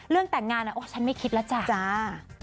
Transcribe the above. เรื่องแต่งงานน่ะโอ๊ยฉันไม่คิดแล้วจ้ะจ้า